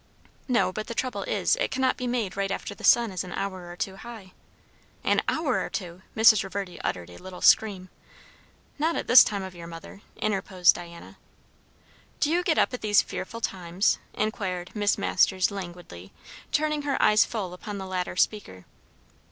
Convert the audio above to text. "No; but the trouble is, it cannot be made right after the sun is an hour or two high." "An hour or two!" Mrs. Reverdy uttered a little scream. "Not at this time of year, mother," interposed Diana. "Do you get up at these fearful times?" inquired Miss Masters languidly, turning her eyes full upon the latter speaker.